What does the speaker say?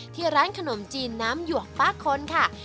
ที่ร้านขนมจีนน้ำหยวกป้าคนค่ะ